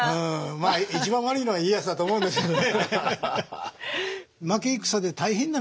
まあ一番悪いのは家康だと思うんですけどね。